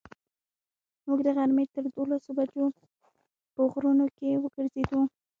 موږ د غرمې تر دولسو بجو په غرونو کې وګرځېدو.